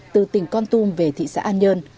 từ tỉnh con tum về thị xã an nhơn